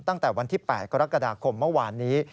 ตั้งแต่วันที่๘กรกฎาคมเมื่อวานนี้